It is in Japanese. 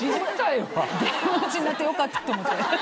芸能人になってよかったと思って。